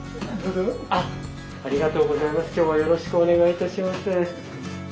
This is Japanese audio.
今日はよろしくお願いいたします。